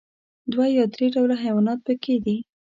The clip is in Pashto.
دوه یا درې ډوله حيوانات پکې دي.